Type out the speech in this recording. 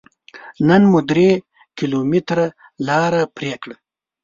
نن مو درې کيلوميټره لاره پرې کړه.